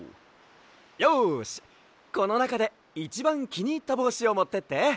よしこのなかでいちばんきにいったぼうしをもってって。